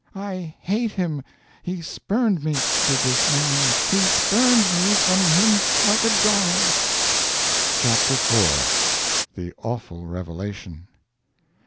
I hate him! He spurned me did this man he spurned me from him like a dog!" CHAPTER IV THE AWFUL REVELATION.